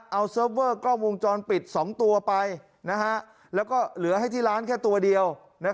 เอาเซิร์ฟเวอร์กล้องวงจรปิด๒ตัวไปแล้วก็เหลือให้ที่ร้านแค่ตัวเดียว